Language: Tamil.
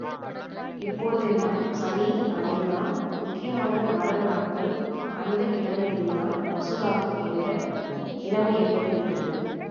இப்பொழுதெல்லாம் சனி, ஞாயிறுதாம் முக்கியமான நாடக நாட்கள் அந்தக் கிழமைகளில்தான் வசூலாகும் என்ற நிலைமை ஏற்பட்டு விட்டது.